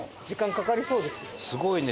すごいね。